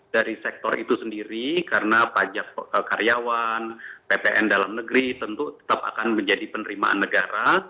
dari sektor itu sendiri karena pajak karyawan ppn dalam negeri tentu tetap akan menjadi penerimaan negara